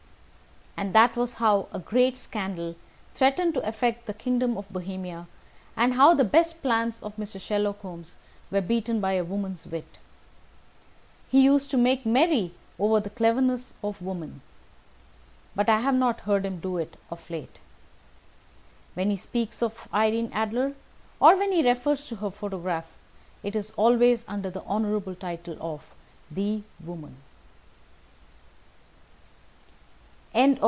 And that was how a great scandal threatened to affect the kingdom of Bohemia, and how the best plans of Mr. Sherlock Holmes were beaten by a woman's wit. He used to make merry over the cleverness of women, but I have not heard him do it of late. And when he speaks of Irene Adler, or when he refers to her photograph, it is always under the honourable title of the woman.